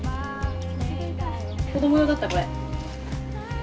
子ども用だったこれ。